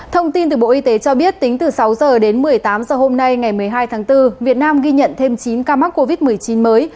thông tin từ bộ y tế cho biết tính từ sáu h đến một mươi tám h hôm nay ngày một mươi hai tháng bốn việt nam ghi nhận thêm chín ca mắc covid một mươi chín mới